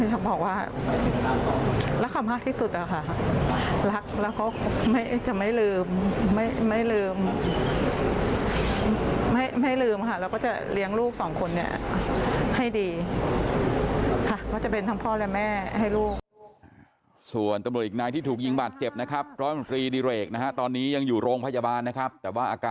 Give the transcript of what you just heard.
ก็อยากบอกว่ารักเขามากที่สุดค่ะ